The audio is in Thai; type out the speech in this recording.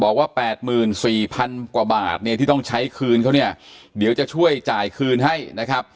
กว่าบาทที่ต้องใช้คืนเขาเนี่ยเดี๋ยวจะช่วยจ่ายคืนให้นะครับ